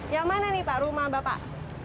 yang mana nih pak rumah bapak